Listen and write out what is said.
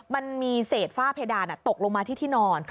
มันมีเศษฝ้าเพดานตกลงมาที่ที่นอน